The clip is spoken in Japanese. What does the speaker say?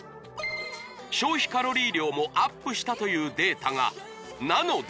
消費カロリー量もアップしたというデータがなので